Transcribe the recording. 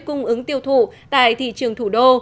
cung ứng tiêu thụ tại thị trường thủ đô